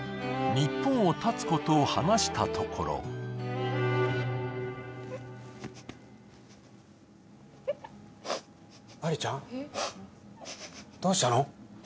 日本をたつことを話したところ愛梨ちゃん？どうしたの？